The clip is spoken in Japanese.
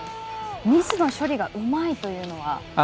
ミスの処理がうまいというのは？